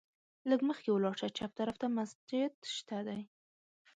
لږ مخکې ولاړ شه، چپ طرف ته مسجد شته دی.